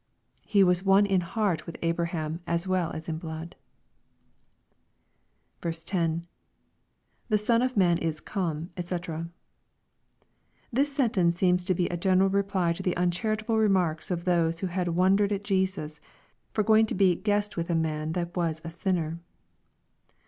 He was one in heart with Abraham as well as in blood. 10. — [The Son of man is ayme^ (he.] This sentence seems to be a general reply to the uncharitable remarks of those who had wondered at Jesus, for going to be " guest with a man that was a sinner."